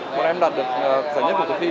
bọn em đạt được giải nhất của cuộc thi